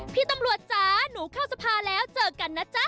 พี่ตำรวจจ๊ะหนูเข้าสภาแล้วเจอกันนะจ๊ะ